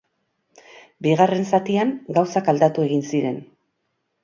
Bigarren zatian gauzak aldatu egin ziren.